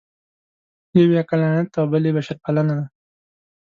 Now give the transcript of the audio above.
یو یې عقلانیت او بل یې بشرپالنه ده.